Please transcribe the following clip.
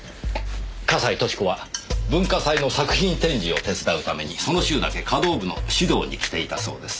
笠井俊子は文化祭の作品展示を手伝うためにその週だけ華道部の指導に来ていたそうです。